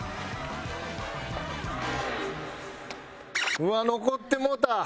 うわっ残ってもうた！